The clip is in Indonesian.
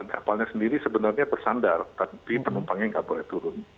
kapalnya sendiri sebenarnya bersandar tapi penumpangnya nggak boleh turun